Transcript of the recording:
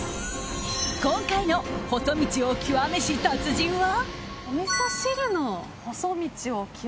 今回の細道を極めし達人は。